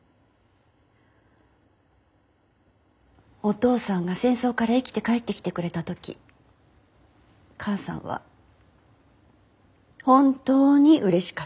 お父さんが戦争から生きて帰ってきてくれた時母さんは本当にうれしかった。